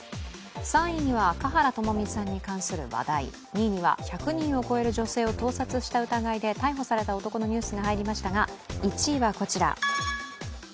３位には華原朋美さんに関する話題２位には１００人を超える女性を盗撮した疑いで逮捕された男のニュースが入りましたが、１位はこちら。